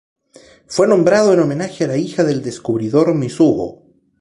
Fue nombrado en homenaje a la hija del descubridor Mizuho.